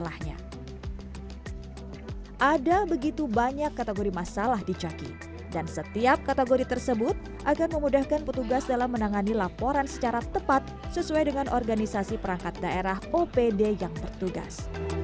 ada begitu banyak kategori masalah di caki dan setiap kategori tersebut akan memudahkan petugas dalam menangani laporan secara tepat sesuai dengan organisasi perangkat daerah opd yang bertugas